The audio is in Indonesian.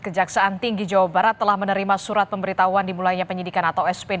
kejaksaan tinggi jawa barat telah menerima surat pemberitahuan dimulainya penyidikan atau spdp untuk tersangka peggy